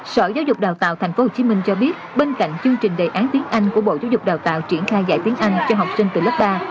sở giáo dục đào tạo tp hcm cho biết bên cạnh chương trình đề án tiếng anh của bộ giáo dục đào tạo triển khai dạy tiếng anh cho học sinh từ lớp ba